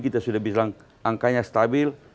kita sudah bilang angkanya stabil